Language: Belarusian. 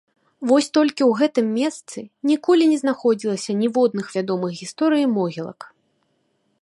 Вось толькі ў гэтым месцы ніколі не знаходзілася ніводных вядомых гісторыі могілак.